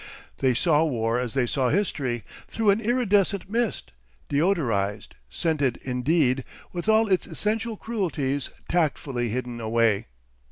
They saw war as they saw history, through an iridescent mist, deodorised, scented indeed, with all its essential cruelties tactfully hidden away.